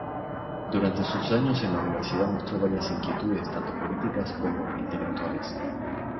Durante sus años en la universidad mostró varias inquietudes tanto políticas como intelectuales.